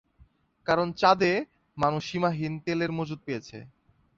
কারণ চাঁদে মানুষ সীমাহীন তেলের মজুদ পেয়েছে।